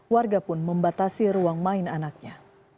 warga pun membatasi ruang main anaknya